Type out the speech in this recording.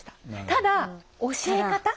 ただ教え方？